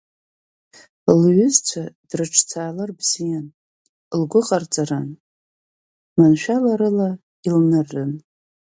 Лҩызцәа дрыҿцаалар бзиан, лгәы ҟарҵарын, маншәаларыла илныррын.